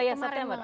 oh ya september